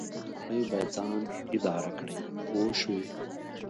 لومړی باید ځان اداره کړئ پوه شوې!.